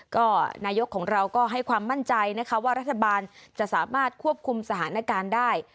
ก็นายกของเราก็ให้ความมั่นใจนะคะว่ารัฐบาลจะสามารถควบคุมสถานการณ์ได้